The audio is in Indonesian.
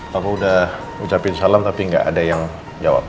papa udah ucapin salam tapi gak ada yang jawab